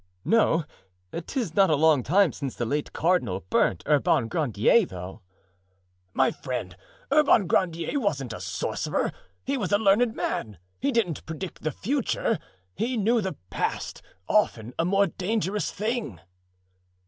"No? 'Tis not a long time since the late cardinal burnt Urban Grandier, though." "My friend, Urban Grandier wasn't a sorcerer, he was a learned man. He didn't predict the future, he knew the past—often a more dangerous thing."